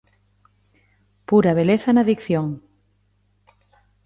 Pura beleza na dicción.